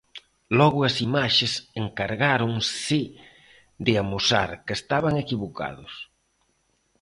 Logo as imaxes encargáronse de amosar que estaban equivocados.